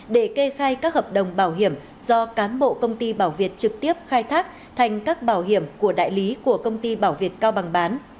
để kê khai các hợp đồng bảo hiểm do cán bộ công ty bảo việt trực tiếp khai thác thành các bảo hiểm của đại lý của công ty bảo việt cao bằng bán